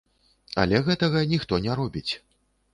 Але гэтага ніхто не робіць.